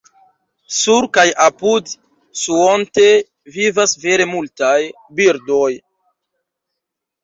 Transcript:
Sur kaj apud Suontee vivas vere multaj birdoj.